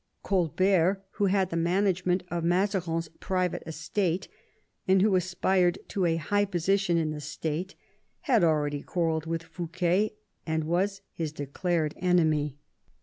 Colbert, who had the management of Mazarin's private estate, and who aspired to a high position in the State, had already quarrelled with Fouquet and was his declared enemy.